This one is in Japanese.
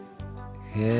へえ。